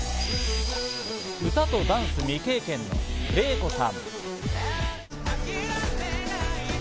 歌とダンス未経験、レイコさん。